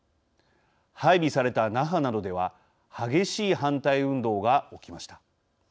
配備された那覇などでは激しい反対運動が起きました。